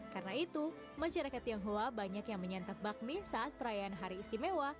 karena itu masyarakat tionghoa banyak yang menyantap bakmi saat perayaan hari istimewa